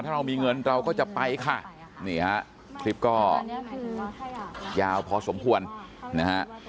ถ้าเรามีเงินเราก็จะไปค่ะนี่ฮะคลิปก็ยาวพอสมควรนะฮะ